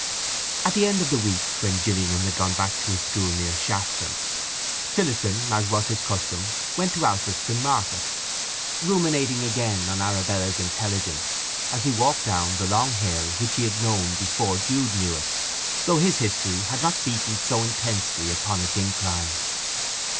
At the end of the week, when Gillingham had gone back to his school near Shaston, Phillotson, as was his custom, went to Alfredston market; ruminating again on Arabella's intelligence as he walked down the long hill which he had known before Jude knew it, though his history had not beaten so intensely upon its incline.